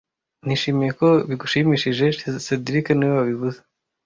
Nishimiye ko bigushimishije cedric niwe wabivuze